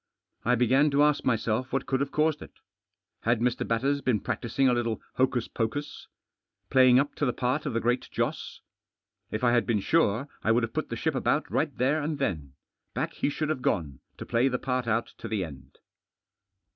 I begin to ask myself what could have caused it. Had Mr. Batters been practising a little hocus poctis? Playing Vip to the part of the Great Joss? If I had been sune> I would have put the ship about right there attd then. Back he should have gone, to play the part otit td the end.